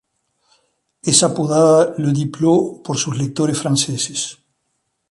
Es apodada "Le Diplo" por sus lectores franceses.